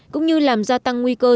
cũng như làm nguyên liệu cho bà may